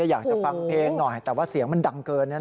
อยากจะฟังเพลงหน่อยแต่ว่าเสียงมันดังเกิน